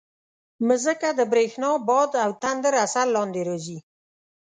مځکه د برېښنا، باد او تندر اثر لاندې راځي.